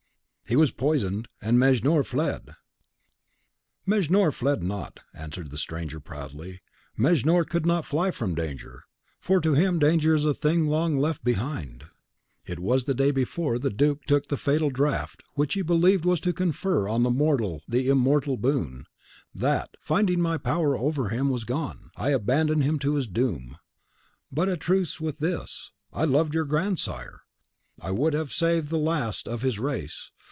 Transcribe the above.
"He was poisoned, and Mejnour fled." "Mejnour fled not," answered the stranger, proudly "Mejnour could not fly from danger; for to him danger is a thing long left behind. It was the day before the duke took the fatal draft which he believed was to confer on the mortal the immortal boon, that, finding my power over him was gone, I abandoned him to his doom. But a truce with this: I loved your grandsire! I would save the last of his race.